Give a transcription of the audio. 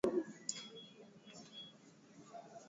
Weka maji ya kutosha kwenye sufuria kubwa na kuchemsha